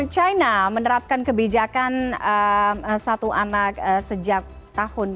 china menerapkan kebijakan satu anak sejak tahun